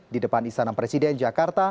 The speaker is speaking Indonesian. di depan istana presidennya